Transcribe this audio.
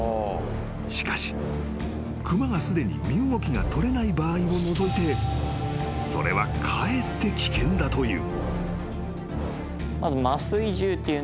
［しかし熊がすでに身動きが取れない場合を除いてそれはかえって危険だという］